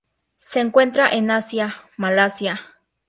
Se encuentran en Asia: Malasia.